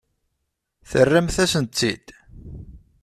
Terramt-asent-tt-id.